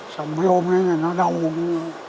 xong mấy hôm nữa nó đau bụng